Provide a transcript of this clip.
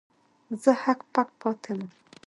زه هک پک پاتې وم.